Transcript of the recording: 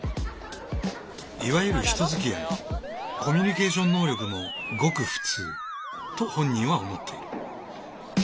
いわゆる人づきあいコミュニケーション能力もごくフツーと本人は思っている。